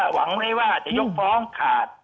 หวังไว้ว่าจะยกฟ้องขาด